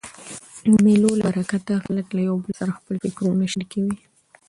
د مېلو له برکته خلک له یو بل سره خپل فکرونه شریکوي.